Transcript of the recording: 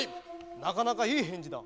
なかなかいいへんじだ。